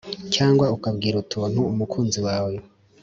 cyangwa ukabwira utuntu umukunzi wawe